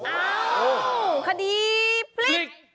อ้าวคดีพลิก